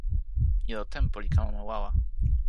ilo tenpo li kalama wawa.